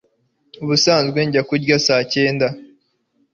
Ubusanzwe njya kuryama saa cyenda